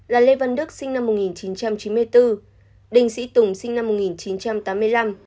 là lê văn đức sinh năm một nghìn chín trăm chín mươi bốn đinh sĩ tùng sinh năm một nghìn chín trăm tám mươi năm